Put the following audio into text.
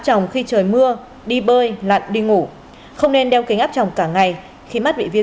trọng khi trời mưa đi bơi lặn đi ngủ không nên đeo kính áp chồng cả ngày khi mắt bị viêm